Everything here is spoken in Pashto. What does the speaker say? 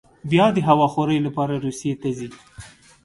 بیا د هوا خورۍ لپاره روسیې ته ځي.